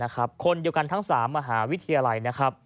คนเดียวกันทั้ง๓มหาวิทยาลัย